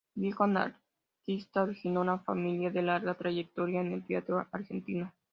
Viejo anarquista, originó una familia de larga trayectoria en el Teatro Argentino.